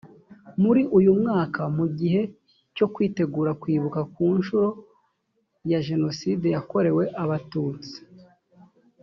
muri uyu mwaka mu gihe cyo kwitegura kwibuka ku nshuro ya jenoside yakorewe abatutsi